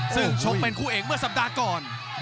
ซึ่งชกเป็นคู่เอกเมื่อสัปดาห์ก่อน